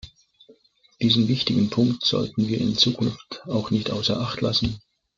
Diesen wichtigen Punkt sollten wir in Zukunft auch nicht außer Acht lassen.